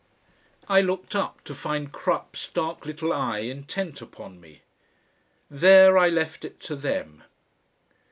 I looked up to find Crupp's dark little eye intent upon me. There I left it to them.